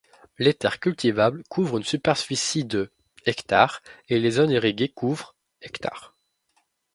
Les terres cultivables couvrent une superficie de hectares et les zones irriguées couvrent hectares.